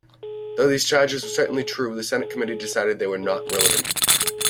Though these charges were certainly true, the Senate Committee decided they were not relevant.